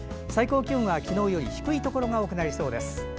最高気温は、昨日より低いところが多くなりそうです。